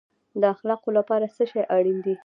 د اخلاقو لپاره څه شی اړین دی؟